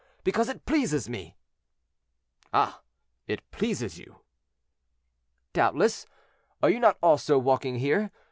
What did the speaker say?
because it pleases me." "Ah! it pleases you." "Doubtless; are you not also walking here?